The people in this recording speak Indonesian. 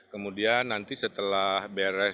kemudian nanti setelah brn